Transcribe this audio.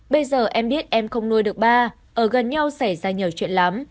bây giờ em biết em không nuôi được ba ở gần nhau xảy ra nhiều chuyện lắm